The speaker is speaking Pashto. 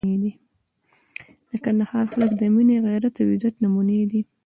د کندهار خلک د مینې، غیرت او عزت نمونې دي.